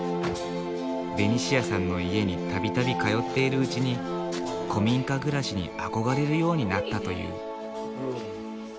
ベニシアさんの家に度々通っているうちに古民家暮らしに憧れるようになったという。